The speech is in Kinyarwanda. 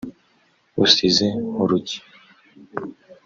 Usize nkuru ki